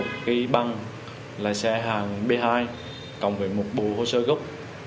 một cái băng lái xe hàng b hai cộng với một bộ hồ sơ gốc